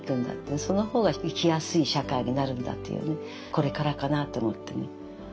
これからかなって思ってね。